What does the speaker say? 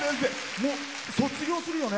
もう卒業するよね？